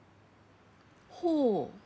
ほう。